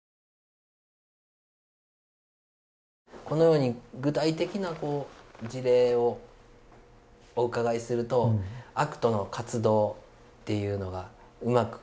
このように具体的な事例をお伺いするとＡＣＴの活動っていうのがうまく